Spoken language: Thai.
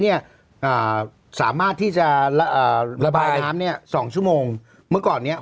อ่าสามารถที่จะเอ่อระบายน้ำเนี้ยสองชั่วโมงเมื่อก่อนเนี้ย